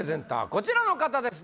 こちらの方です